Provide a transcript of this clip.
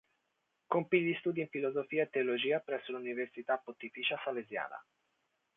Compì gli studi in filosofia e teologia presso l'Università Pontificia Salesiana.